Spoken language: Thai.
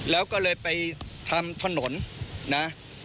แล้วก็เลยไปทำถนนนะ